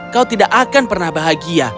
kau tidak akan pernah bahagia